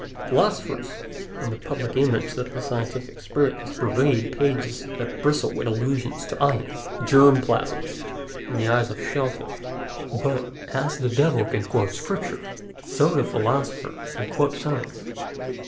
Philosophers and the public imagine that the scientific spirit must pervade pages that bristle with allusions to ions, germ plasms, and the eyes of shell fish. But as the devil can quote Scripture, so the philosopher can quote science.